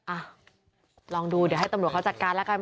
อ่ะลองดูเดี๋ยวให้ตำรวจเขาจัดการแล้วกัน